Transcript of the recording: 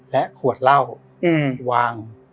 และขวดเหล้า